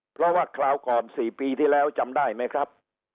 เพราะว่าคราวก่อน๔ปีที่แล้วจำได้ไหมครับ